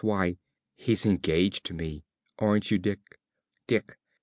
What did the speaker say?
Why, he's engaged to me. Aren't you, Dick?